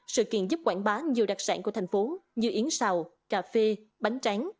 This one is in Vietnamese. sự kiện giúp quảng bá nhiều đặc sản của thành phố như yến xào cà phê bánh tráng